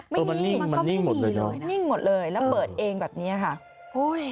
ไม่มีมันก็ไม่มีเลยนะนิ่งหมดเลยแล้วเปิดเองแบบนี้ค่ะโอ้ย